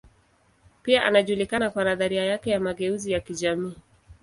Pia anajulikana kwa nadharia yake ya mageuzi ya kijamii.